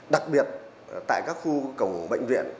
đặc biệt tại các khu cổng bệnh viện